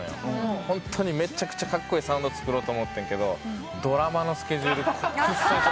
ホントにめちゃくちゃカッコイイサウンド作ろうと思ってんけどドラマのスケジュールくそ忙しかった。